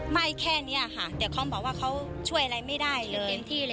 ไม่แค่นี้ค่ะเด็กเขาบอกว่าเขาช่วยอะไรไม่ได้เลย